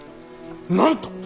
なんと！